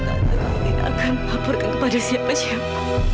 tante tidak akan melaporkan kepada siapa siapa